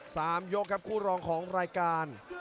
สามยกครับคู่รองของรายการ